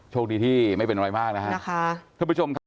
โชคดีที่ไม่เป็นอะไรมากนะฮะท่านผู้ชมครับ